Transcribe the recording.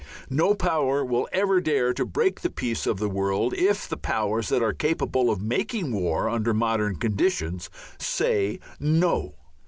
No power will ever dare to break the peace of the world if the powers that are capable of making war under modern conditions say "No."